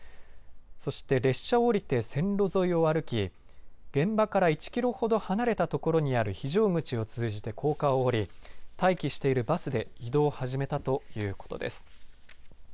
そして列車を降りて線路沿いを歩き現場から１キロほど離れた所にある非常口を通じて高架を降り待機をしているバスで移動を始めたということです。